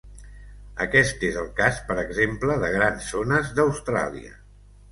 Aquest és el cas, per exemple de grans zones d'Austràlia.